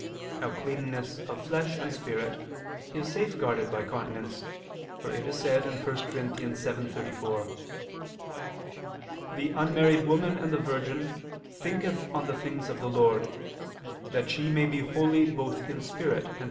Now cleanness of flesh and spirit is safeguarded by continence, for it is said (1 Cor. 7:34): "The unmarried woman and the virgin thinketh on the things of the Lord that she may be holy both in spirit and in body [Vulg.